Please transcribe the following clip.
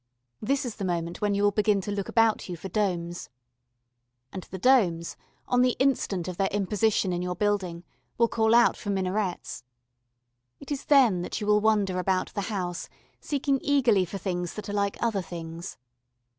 This is the moment when you will begin to look about you for domes. And the domes, on the instant of their imposition in your building, will call out for minarets. It is then that you will wander about the house seeking eagerly for things that are like other things.